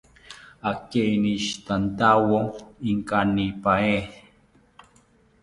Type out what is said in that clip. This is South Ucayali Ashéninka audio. Akeinishitantawo inkanipaeni